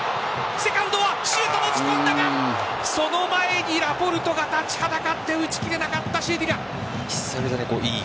セカンドはシュート持ち込んだがその前にラポルトが立ちはだかって打ち切れなかったシェディラ。